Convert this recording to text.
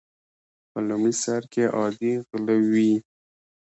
په لومړي سر کې عادي غله وي.